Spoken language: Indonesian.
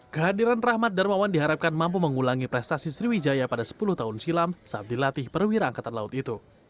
kehadiran rahmat darmawan diharapkan mampu mengulangi prestasi sriwijaya pada sepuluh tahun silam saat dilatih perwira angkatan laut itu